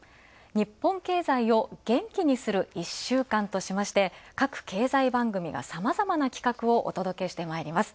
日本経済を元気にする１週間として各経済番組が、さまざまな企画をお届けしてまいります。